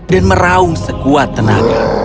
dan meraung sekuat tenaga